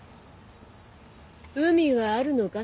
海はあるのか？